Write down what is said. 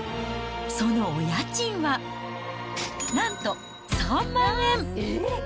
そのお家賃は、なんと３万円。